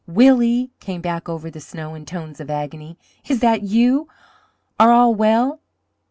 "Willie!" came back over the snow in tones of agony. "Is that you? Are all well?"